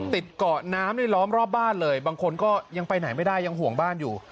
ติดเกาะน้ำในล้อมรอบบ้านเลยบางคนก็ยังไปไหนไม่ได้ยังห่วงบ้านอยู่